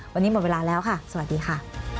วันนี้หมดเวลาแล้วค่ะสวัสดีค่ะ